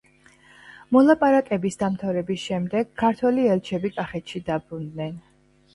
მოლაპარაკების დამთავრების შემდეგ ქართველი ელჩები კახეთში დაბრუნდნენ.